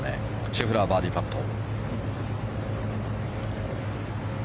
シェフラー、バーディーパット。